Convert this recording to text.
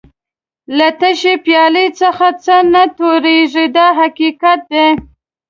له تشې پیالې څخه څه نه تویېږي دا حقیقت دی.